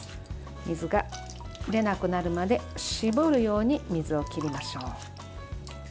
水が切れなくなるまで絞るように水を切りましょう。